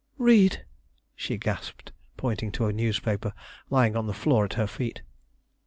"Read!" she gasped, pointing to a newspaper lying on the floor at her feet.